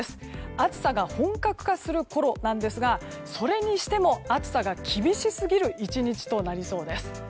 暑さが本格化するころなんですがそれにしても、暑さが厳しすぎる１日となりそうです。